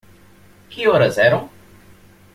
Que horas eram?